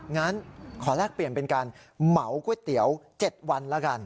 งั้นขอแลกเปลี่ยนเป็นการเหมาก๋วยเตี๋ยว๗วันแล้วกัน